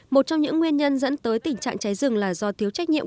một trong những nguyên nhân dẫn tới tình trạng cháy rừng là do thiếu trách nhiệm